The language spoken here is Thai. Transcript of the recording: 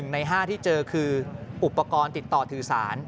ใน๕ที่เจอคืออุปกรณ์ติดต่อสื่อสาร